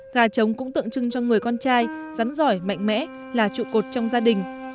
gà trống cũng tượng trưng cho người con trai rắn giỏi mạnh mẽ là trụ cột trong gia đình